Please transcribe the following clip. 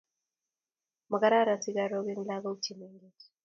Makararan sikarok en lakok che mengech